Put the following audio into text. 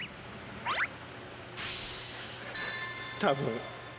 多分。